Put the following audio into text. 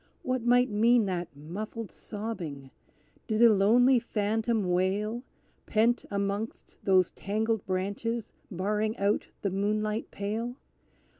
What might mean that muffled sobbing? Did a lonely phantom wail, Pent amongst those tangled branches barring out the moonlight pale?